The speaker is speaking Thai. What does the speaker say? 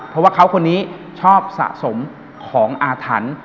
เพราะว่าเขาคนนี้ชอบสะสมของอาถรรพ์